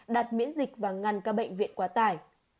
đặt miễn dịch và ngăn các bệnh viện quá tải